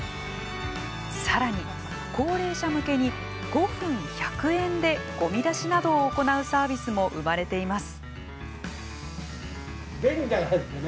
さらに高齢者向けに５分１００円でごみ出しなどを行うサービスも生まれています。